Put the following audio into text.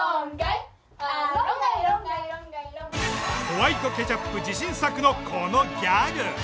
ホワイトケチャップ自信作のこのギャグ。